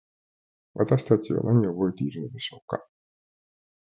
私たちは何を覚えているのでしょうか。